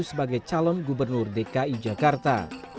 sebagai calon gubernur dki jakarta